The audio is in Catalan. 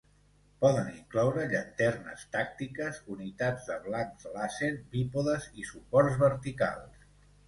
Poden incloure llanternes tàctiques, unitats de blancs làser, bípodes i suports verticals.